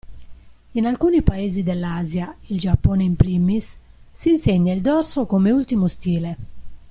In alcuni Paesi dell'Asia (il Giappone in primis) si insegna il dorso come ultimo stile.